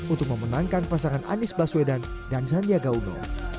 untuk memenangkan pasangan anies baswedan dan sandiaga uno